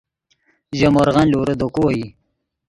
ژے مورغن لورے دے کو اوئی